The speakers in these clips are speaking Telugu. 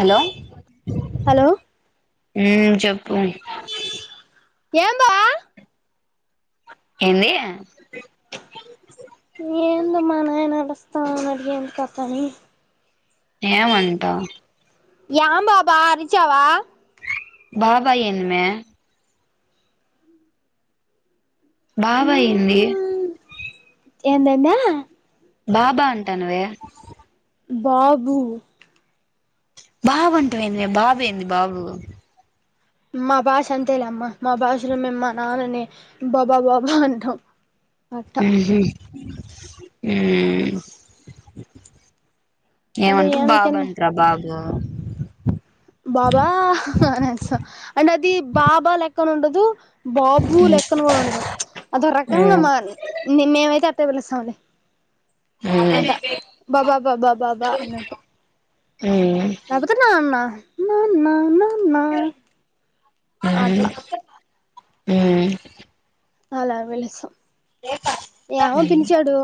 హలో హలో ఉమ్ చెప్పు ఏందా ఎంది ఏందో మా నాయన అరస్త [inaudible] ఏం అంటా [unintelligible] బాబాయ్ ఏంది మే బాబాయ్ ఏంది ఎందేంద బాబా అంటానవే బాబు బాబు అంటం ఏంది బాబు ఏంది బాబు మా భాష అంతేలేమ్మా మా భాషలో మేము మా నాన్నని బాబా బాబా అంటాం అట్ట ఉహు ఉమ్ అంటే ఏమంటారు బాబు ఏమకంది అంటారు బాబు బాబా అ అంటే అది బాబా లెక్కన ఉండదు బాబు లెక్కన కూడా ఉండదు అదొ రకంగా మ్మ్ మా మేమైతే అటే పిలుస్తాం లే మ్మ్ బాబా బాబా బాబా అన్నట్టు మ్మ్ లే పతే నాన్న నాన్న నా నా ఆట్లా ఉమ్ అలా పిలుస్తాం ఏమో పిలిచాడు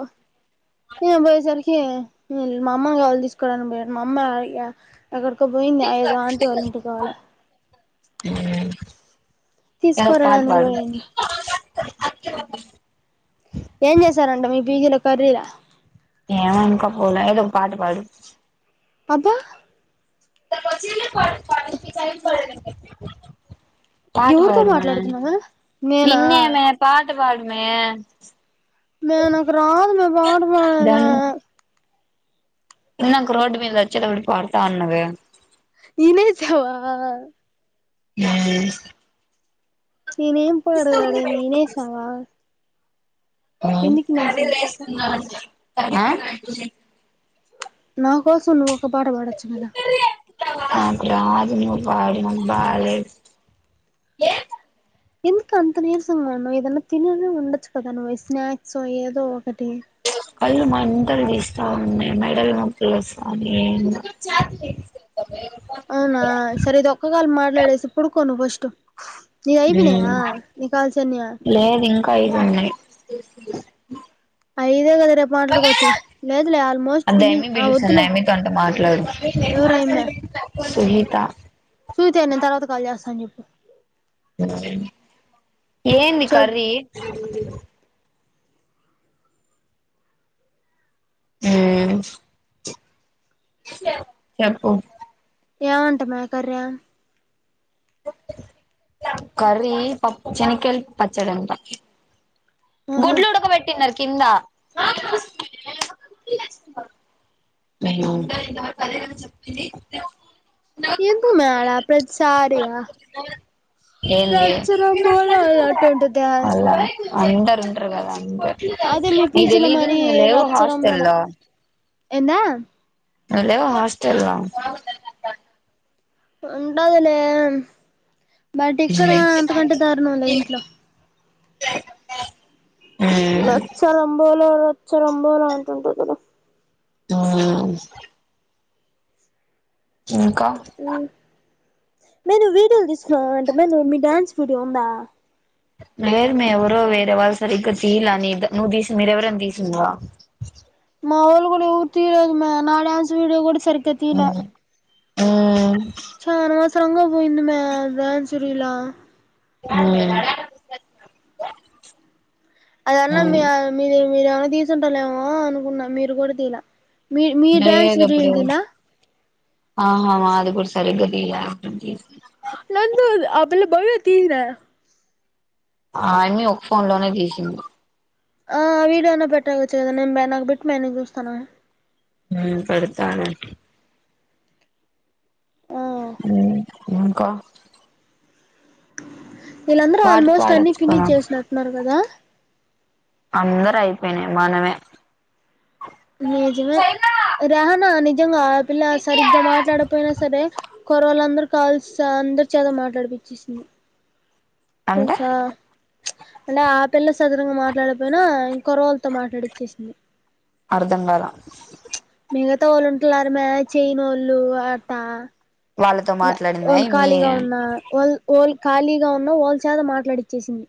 నేను పోయేసరికి మా అమ్మని కావాలు తీసుకోవడానికి పోయా మా అమ్మ ఎక్కడికో పోయింది ఆంటి వాళ్ళ ఇంటికి [inaudible] ఎ ఒక పాట తీసుకురాడానికి పాడు పోయింది ఏం చేశారంట మీ పీజీలో కర్రీరా ఏం ఇంకా పోలా ఏది ఒక పాట పాడు అబ్బా పచ్చ ప కానీకి చారి పడ పాట ఎవరితో పాడుమే మాట్లాడుతున్నావే నేనా నిన్నేమే పాట పాడుమే మే నాకు రాదు మే పాట పడేది దాన్ని ఇందాక రోడ్ మీద వచ్చేటపుడు పాడతా ఉన్నవు ఇనేశవా ఆ నేనేం పాట పాడనో వినిసవ ఉమ్ చెప్పు ఆ నా కోసం నువ్వు ఒక పాట పాడచ్చు కదా నాకు రాదు నువ్వు పాడు నాకు బాలేదు ఎందుకు అంత నీరసంగా ఉన్నావు ఏదన్న తిన్నానా ఉండచ్చ కదా స్నాక్సో ఏదో ఒకటి కళ్ళు మాంటలు తీస్తా ఉన్నాయి మెడలు నోప్పులు వస్తని అవునా సరే ఇది ఒక్క కాలు మాట్లాడేసి పుడుకో నువ్వు ఫస్ట్ నీది అయిపోయినాయా నీ కాల్స్ అన్ని లేదు ఇంకా ఐదు ఉన్నాయి అఐదే కదా రేపు మాట్లాడుకోవచ్చులే లేదులే ఆల్మోస్ట్ అది ఫినిష్ ఏమి ఆ పిలుస్తుంది వద్దులే ఏమి తనతో ఎవరూ ఆ అమ్మి సుహీత తర్వాత కాల్ చేస్తాను చెప్పు ఏంది చెప్ కర్రీ మ్మ్ హ్ చెప్పు ఏమంటున్నావ్ కర్రీ కర్రీ పప్పు చెనక్కయల పచ్చడంట ఆహా గుడ్లు ఉడకబెట్టినారు కింద ఇంతవరకు అదేగదా చెప్పింది ఎందుకు మే ఆడ ప్రతి సరీ ఆ ఏందే అన్నట్టు ఉంటదా అందరు ఉంటరు కదా అదే మీ నీకు పీజీలో తెలీయదు మరి నువ్వు లేవు హాస్టల్ లో ఎమ్మా హలో హాస్టల్లా ఉంటదులే బయట ఇక్కడ అంతకంటే దారుణంలే ఇంట్లో ఉమ్, రచ్చ రాంబోలో రచ్చ రాంబోలో అంటుంటావ్ కదా ఇంగ ఎస్తూ ఇంకా మీరు వీడియోలు తీసీనావంట అంటే మీ డ్యాన్స్ వీడియో ఉందా లేదమ్మా ఎవరో వేరేవాళ్ళు సరిగ్గా తీయలే నీ నువ్ తీసి మీరెవరన్న తీసారా [inaudible] మావోల్లు గూడ ఎవరు తీయలే మా నా డాన్స్ వీడియో గూడ సరిగ్గా తీయలే చా అనవసరంగా పోయింది మా డాన్స్ రీల్ మ్మ్ హ్ అదన్నా మీ మీరు ఏమన్నా తీసుంటాలేమో అనుకున్నా మీరు కూడా తీయలా మీ మీ డ్యాన్స్ లేదు నే అప్పుడు రీల్ తీయనా ఆహా అది కూడా సరిగ్గా తీయలే అప్పటికి లేదు ఆ పిల్ల బాగా తీయలే అన్ని ఆ అమ్మీ ఒక ఫోన్ లోనే తీసింది ఆ వీడియో అయినా పెట్టవచ్చు కదనే నాకు బెట్టు మ్మే నేను చూస్తాను మ్మ్ పెడుతా ఆగు మ్మ్ హ్ ఇంకా వీళ్ళందరూ పాట ఆల్మోస్ట్ అన్ని పాడొచ్చు కదా ఫినిష్ చేసినట్టున్నారు కదా అందరు అయిపోయినాయి మనమే నిజమే రేహనా నిజంగాఆ పిల్ల సరిగ్గా మాట్లాడకపోయినా సరే కుర్రోళ్ళందరితో కాల్స్ అందరి చేత మాట్లాడిపిచ్చేసింది అంటే తెలుసా ప్చ్ అంటే ఆ పిల్ల సరదాగా మాట్లాడకపోయినా ఇంకోకరి తో మాట్లాడిచ్చేసింది అర్ధం కాల మిగతా వాళ్ళు ఉంటలేరమ్మీ చేయనోళ్లు అట వాళ్ళతో మాట్లాడిందా వాళ్ళు మీ ఖాళీగా వాళ్ళు వాళ్ళు ఖాళీగా ఉన్నా వాళ్ళచేత మాట్లాడిచ్చేసింది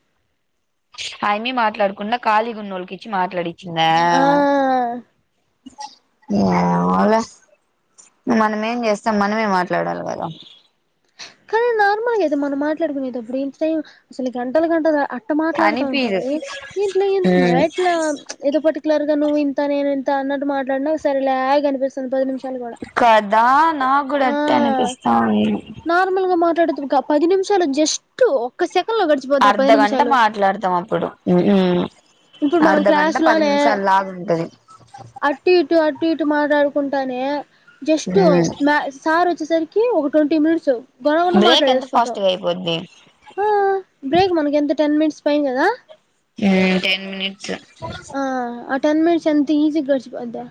ఆ అమ్మాయి మాట్లాడకుండ కాళీగున్నోళ్లకి ఇచ్చి మాట్లాడిచ్చిందా ఆ మ్మ్ అలా మనమేం చేస్తాం మనమే మాట్లాడాలి కదా కానీ నార్మల్గా కదా మనం మాట్లాడుకునేప్పుడు ఇంత టైం అసలు గంటలు గంటలు అట్ట మాట్లాడుతా దేంటి అనిపిదు అది దీంట్లో ఎందుకు మే ఇట్లా ఏదో ప్చ్ పట్టికు లర్ గా నువ్వు ఇంత నేను ఇంత అన్నట్టు మాట్లాడినా సరలే అనిపిస్తుంది ప్రతి నిమిషం కదా నాకు కూడా అట్టే అనిపిస్తా ఉంది మాట్లాడుతూ ఒక పది నిమిషాలే జస్ట్ ఒక సెక అర్ధగంట మాట్లాడుతాం అప్పుడు మ్మ్ ఇప్పుడు మనం క్లాసులోనే అటు ఇటు అ అటు ఇటు మాట్లాడుకుంటానే జస్ట్ మా సార్ వచ్చేసరికి ఒక ట్వంటీ మినిట్స్ గొడవున్న బ్రేక్ ఎంత మాట్లాడేసుకుంటాం ఫాస్ట్ గా అయిపోద్ది ఆ బ్రేక్ మనకి ఎంత టెన్ మినిట్స్ టైమ్ కదా మ్మ్ టెన్ మినిట్స్ ఆ ఆ టెన్ మినిట్స్ ఎంత ఈజీగా గడిచిపోద్దో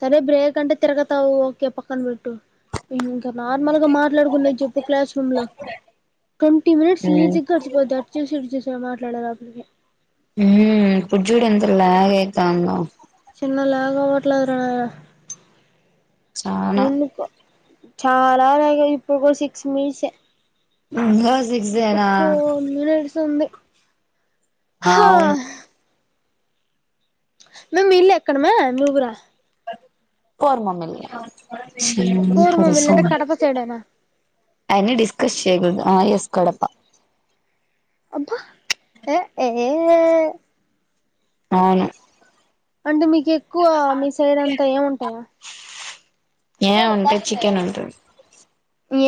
సరే బ్రేక్ అంటే తిరగతావు ఓకే పక్కన పెట్టు ఇంకా నార్మల్ గా మాట్లాడుకున్నా చెప్పు క్లాస్ రూమ్ లో ట్వంటీ మినిట్స్ ఈజీగా గడిచిపొద్ది అటు చూసి ఇటు చూసి మాట్లాడేలోపలికి మ్మ్ ఇప్పుడు చూడు ఎంత లాగ్ అయితందో చిన్నలాగా అవ్వట్లేదురా నాయన చానా ఎందుకో చాలా [unintelligible] ఇప్పుడు కూడ సిక్స్ మినిట్సే [unintelligible] సిక్సే ఇంకా నా ఫోర్ మినిట్స్ ఉంది హా అవును మే మీ ఇళ్లు ఎక్కడ మే నువ్వు రా పోదాం పా మీ ఇంటికి పోరు మమ్మీ ఇల్లు అంటే కడప [unintelligible] సైడేనా అయినా డిస్కస్ చేయకూడదు ఆ ఎస్ కడప అబ్బా ఏ ఏ ఏ అవును అంటే మీకు ఎక్కువ మీ సైడ్ అంతా ఏముంటాయా ఏముంది చికెన్ ఉంటుంది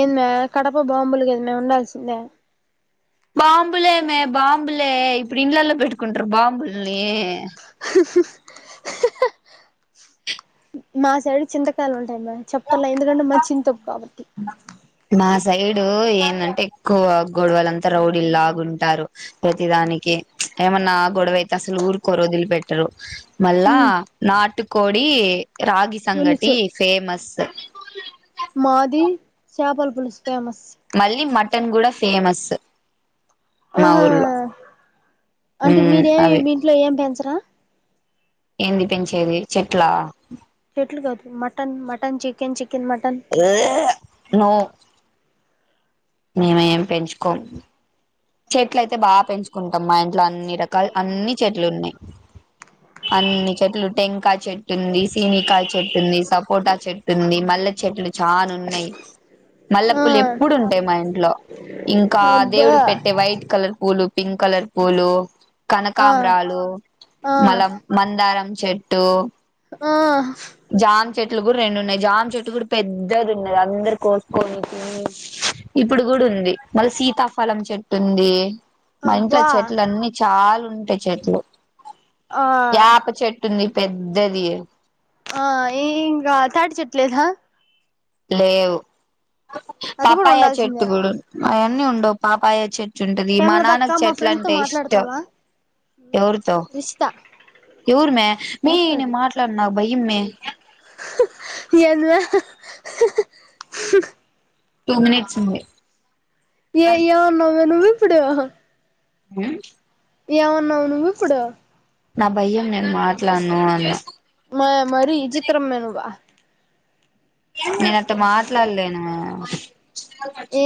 ఏందీ మే కడప బాంబులు కదా మే ఉండాల్సింది బాంబులే మే బాంబులే ఇప్పుడు ఇండ్ల లో పెట్టుకుంటార బాంబుల్ని మా సైడ్ చింతకాయలు ఉంటాయమ్మా చెప్ పలే ఎందుకంటే మా చింతొక్కు బాంటాయ్ మా సైడు ఏందంటే ఎక్కువ గొడవలంతా రౌడీ లా ఉంటారు ప్రతిదాని కి ఏమన్నా గొడవ అయితే అసలు ఊరుకోరు వదిలి పెట్టరు మళ్ళా ఉమ్ నాటుకోడి, రాగి సంగటి పులుసు ఫేమస్ మాది చేపల పులుసు ఫేమస్ మళ్ళీ మటన్ కూడా ఫేమస్ మా ఆహా ఊర్లో అంటే ఉమ్ మీరేమి అవి మీ ఇంట్లో ఏం పెంచరా ఏంది పెంచేది చెట్లా చెట్లు కాదు మటన్ మటన్ చికెన్ చె త్పు మేమ్ ఏమ్ పెంచుకోం చెట్లు అయితే బా పెంచుకుంటాం మా ఇంట్లో అన్ని రకాలు అన్ని చెట్లే ఉన్నాయి అన్ని చెట్లు టెంకాయ చెట్టు ఉంది, సీనికాయ చెట్టు ఉంది, సపోటా చెట్టు ఉంది మళ్ళ చెట్లు చానా ఉన్నాయి. ఆ మల్లెపూలు ఎప్పుడు ఉంటాయి మా ఇంట్లో ఇంకా అబ్బా దేవుడికి పెట్టే వైట్ కలర్ పూలు, పింక్ కలర్ పూలు ఆ కనకామ్రాలు, ఆ మల్లా మందారం చెట్టు ఆ జామ చెట్లు కూడా రెండు ఉన్నాయి. జామ చెట్టు కూడా పెద్దది ఉన్నది. అందరు కోసుకొని, తిని ఇప్పుడు కూడా ఇప్పుడు ఉంది మల్ల సీతాఫలం చెట్ ఉంటుంది మా ఇంట్లో అబ్బా చెట్లు అన్ని చాలా ఉంటాయి చెట్లు ఆ యాప చెట్టుంది పెద్దది ఆ ఈ ఇంకా తాటి చెట్టు లేదా లేవు అది కూడా పాపాయ చెట్టు ఉండాల్సిందే కూడా అవన్నీ ఉండవు పాపాయ చెట్ ట్ ఉంటది. మా హేమలత అక్క నాన్నకు మా చెట్లు ఫ్రెండ్ తో అంటే ఇష్టం మాట్లాడతావా ఎవరితో ఇష్ట ఎవరు మే మే మాట్లాడు నేను మాట్లాడను నాకు భయం మే ఏందీ మే టు మినిట్స్ ఉంది ఏయ్ ఏమ్ అన్నావ్ మే నువ్వు ఇప్పుడు హ్మ్మ్ ఏమన్నావు నువ్వు ఇప్పుడు నా భయం నేను మాట్లాడను అని మ మరి ఇచిత్రం మే నువ్వా నేను అట్ట మాట్లాడలేను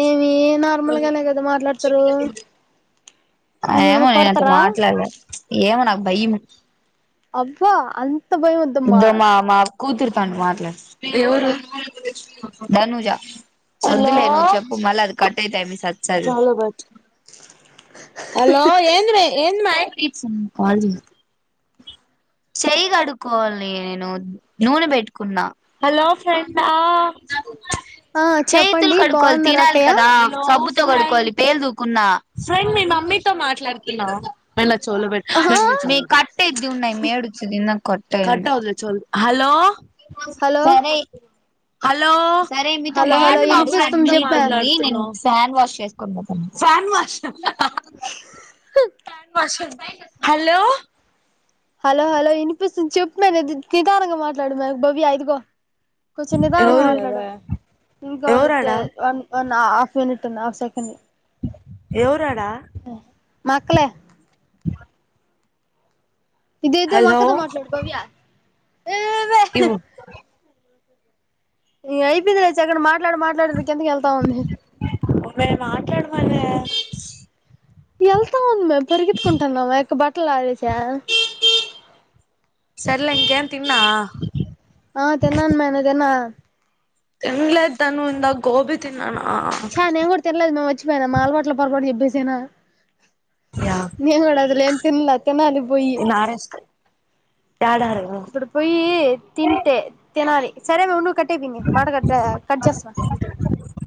ఏమి నార్మల్గానే కదా మాట్లాడతారు ఏమో నిన్నేమన్నా నేను అట్ట కొడతారా మాట్లాడలేను ఏమో నాకు భయం అబ్బా అంత భయం వద్దమ్మా కూతురు తో అంట మాట్లాడు ఎవరు తనుజా చెప్పే చెప్పు మల్ల అది కట్టయితాయి మీ సత్సాది హలో ఏ ఏ మా చెయ్య కడుకోవాలని నేను నూనె పెట్టుకున్నా హలో ఫ్రెం ఆ చేతులు చెప్పండి కడుకోవాల బాగున్నారా తినాలి అక్కయ్య కదా సబు తో కడుక్కోవాలి పే దూకున్నా ఫ్రండ్ మమ్మీతో మాట్లాడుతున్నా చ పెట్ ఆహా మీ కట్ అది ఉన్నాయి మే కొ హలో హలో సరే హలో సరే మీతో హలో మా హలో ఏంది మా ఫ్రెండ్ వినిపిస్తుంది తో చెప్పే మాట్లాడుతుంటే ఫ్యాన్ వాష్ చేసుకుని పోతాం fan wash hello hello hello వినిపిస్తుంది చెప్పున్నాను నిధానంగా మాట్లాడున్నా భవ్య దుగో కొ చిన్నదా ఎవరు మాట్లాకా ఎవరాడా ఉ హాఫ మినిట్ హఫ్ెకండ్ ఎవరాడా మా అక్కలే ఇదేదో హలో మాక్కతో మాట్లాడుకోవ్య ఇవ్వు ఇ అయిపోంది రచ్చి అక్కడ మాట్లాడు మాట్లాడ క ఎంతక వెళ్తా ఉంది మరి మాట్లాడమనే వెళ్తా ఉంది మే పెరిగెట్కుంటున్నాముక బట్ట ట్లారుస [unintelligible] సర్లంక తిన్నా ఆ తిన్నాను మే నువ్వు తిన్నావా తింలేద్దను ఇంద గోబి తి చ నేను కూడా తెినలేదు మేము వచ్చిపోయానా మా అలవాట్లో పొరపాటు చెప్పేసానా యా న కూడా అదిలేం తిన్నలే తన్నాాలి పోయి నారేస్క్ యాడ అరగ ఇప్పుడు పోయి తింటే తినాలి సరే ఉన్ను కట్టేపోంది మాట కట్ట కట్ చేస్త